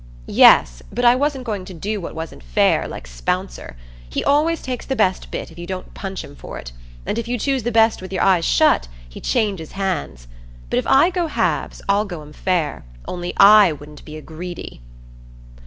"Yes, but I wasn't going to do what wasn't fair, like Spouncer. He always takes the best bit, if you don't punch him for it; and if you choose the best with your eyes shut, he changes his hands. But if I go halves, I'll go 'em fair; only I wouldn't be a greedy."